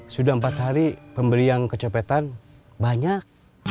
sudah empat hari pemberian kecopetan banyak